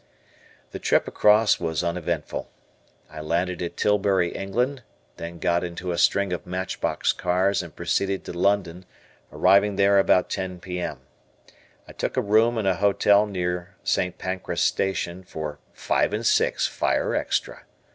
The trip across was uneventful. I landed at Tilbury, England, then got into a string of matchbox cars and proceeded to London, arriving there about 10 P.M. I took a room in a hotel near St. Pancras Station for "five and six fire extra."